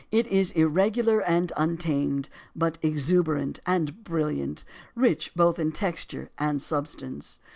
It is irregular and untamed, but exuberant and brilliant, rich both in texture and substance.